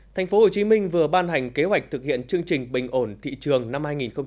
thành phố hồ chí minh vừa ban hành kế hoạch thực hiện chương trình bình ổn thị trường năm hai nghìn hai mươi